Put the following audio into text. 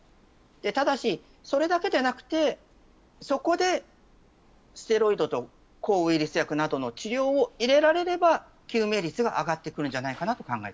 ただし、それだけでなくてそこでステロイドと抗ウイルス薬などの治療を入れられれば救命率は上がるんじゃないかと。